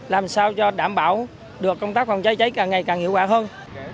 làm sao cho đảm bảo được công tác phòng cháy cháy càng ngày càng hiệu quả hơn